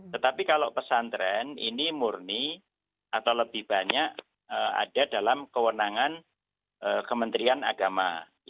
tetapi kalau pesantren ini murni atau lebih banyak ada dalam kewenangan kementerian agama